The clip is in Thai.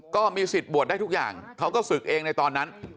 ก็มีสิทธิ์บวชได้ทุกอย่างเขาก็ศึกเองในตอนนั้น